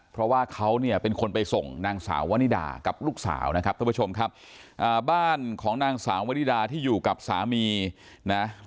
เพราะว่าเขาเนี่ยเป็นคนไปส่งนางสาววนิดากับลูกสาวนะครับท่านผู้ชมครับบ้านของนางสาววริดาที่อยู่กับสามีนะ